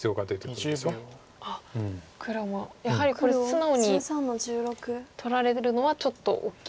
あっ黒もやはりこれ素直に取られるのはちょっと大きいと。